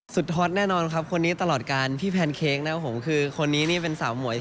สุดฮดแน่นอนครับคนนี้ตลอดก้านพี่แพนเค้กนะผมคือคนนี้เป็น